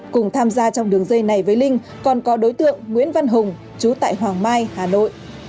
cùng tham gia trong đường dây này với linh còn có đối tượng nguyễn văn hùng chú tại hoàng mai hà nội